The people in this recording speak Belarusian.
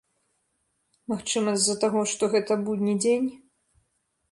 Магчыма, з-за таго, што гэта будні дзень.